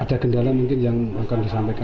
ada kendala mungkin yang akan disampaikan